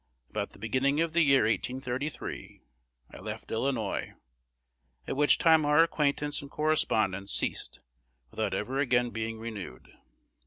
About the beginning of the year 1833 I left Illinois, at which time our acquaintance and correspondence ceased without ever again being renewed.